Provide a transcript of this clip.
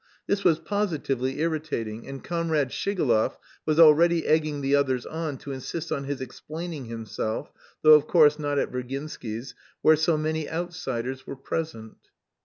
This was positively irritating, and Comrade Shigalov was already egging the others on to insist on his "explaining himself," though, of course, not at Virginsky's, where so many outsiders were present.